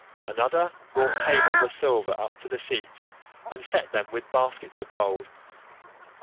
Another brought tables of silver up to the seats, and set them with baskets of gold.